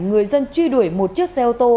người dân truy đuổi một chiếc xe ô tô